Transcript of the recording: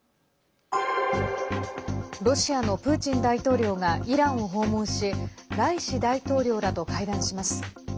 ロシアのプーチン大統領がイランを訪問しライシ大統領らと会談します。